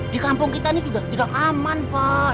di kampung kita ini tidak aman pak